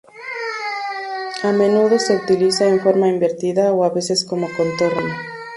A menudo se utiliza en forma invertida o a veces como contorno.